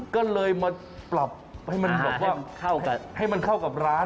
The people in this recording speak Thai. ก็เลยมาปรับให้มันเข้ากับร้าน